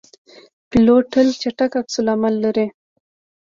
پیلوټ تل چټک عکس العمل لري.